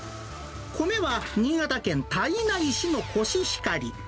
米は新潟県胎内市のコシヒカリ。